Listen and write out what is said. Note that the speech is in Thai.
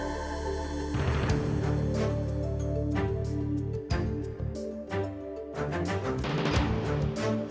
วัดสุทัศน์นี้จริงแล้วอยู่มากี่ปีตั้งแต่สมัยราชการไหนหรือยังไงครับ